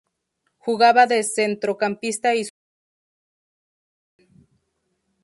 Jugaba de centrocampista y su primer club fue Huracán.